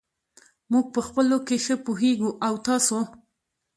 موږ په خپلو کې ښه پوهېږو. او تاسو !؟